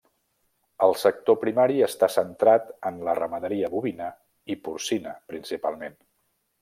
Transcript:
El sector primari està centrat en la ramaderia bovina i porcina principalment.